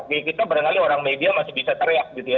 di kita barangkali orang media masih bisa teriak gitu ya